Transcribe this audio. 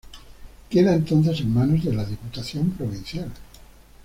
Queda entonces en manos de la Diputación Provincial.